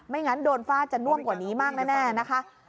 งั้นโดนฟาดจะน่วมกว่านี้มากแน่นะคะ